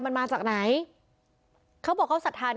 อุทธิวัฒน์อิสธิวัฒน์